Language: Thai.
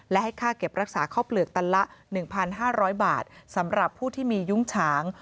และให้ค่าเก็บรักษาข้าวเปลือกตันละ๑๕๐๐บาทสำหรับผู้ที่มียุ้งฉาง